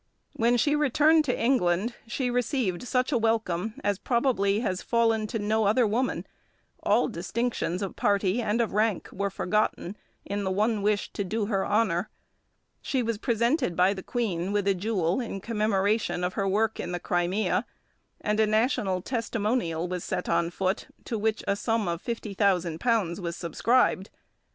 When she returned to England she received such a welcome as probably has fallen to no other woman; all distinctions of party and of rank were forgotten in the one wish to do her honour. She was presented by the Queen with a jewel in commemoration of her work in the Crimea, and a national testimonial was set on foot, to which a sum of £50,000 was subscribed.